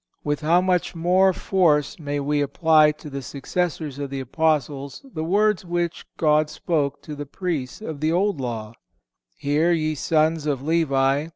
(504) With how much more force may we apply to the successors of the Apostles the words which God spoke to the Priests of the Old Law: "Hear, ye sons of Levi.